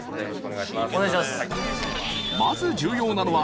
まず重要なのは